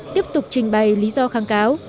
tiếp tục trình bày lý do kháng cáo